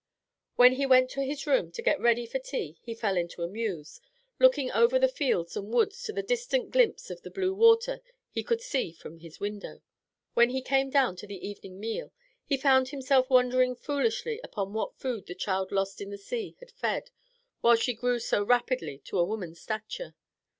When he went to his room to get ready for tea he fell into a muse, looking over the fields and woods to the distant glimpse of blue water he could see from his window. When he came down to the evening meal, he found himself wondering foolishly upon what food the child lost in the sea had fed while she grew so rapidly to a woman's stature.